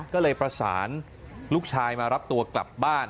ก็เลยประสานลูกชายมารับตัวกลับบ้าน